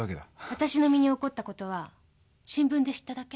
あたしの身に起こったことは新聞で知っただけ？